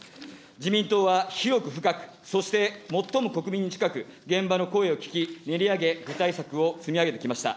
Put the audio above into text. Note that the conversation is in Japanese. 自民党は広く深く、そして最も国民に近く、現場の声を聞き、練り上げ、具体策を積み上げてきました。